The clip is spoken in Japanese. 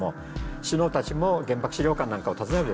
首脳たちも原爆資料館なんかを訪ねるでしょう。